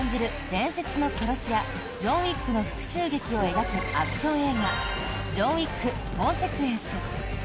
伝説の殺し屋ジョン・ウィックの復しゅう劇を描くアクション映画「ジョン・ウィック：コンセクエンス」。